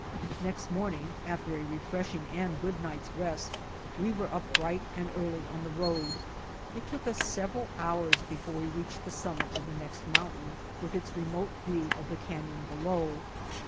Next morning after a refreshing and good night's rest, we were up bright and early on the road. It took us several hours before we reached the summit of the next mountain, with its remote view of the canyon below.